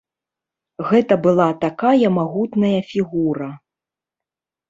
Гэта была такая магутная фігура.